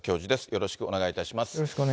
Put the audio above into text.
よろしくお願いします。